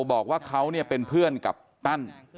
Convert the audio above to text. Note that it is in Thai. บอกว่าเขาเป็นเพื่อนกับตั้น